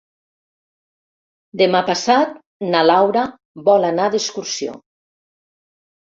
Demà passat na Laura vol anar d'excursió.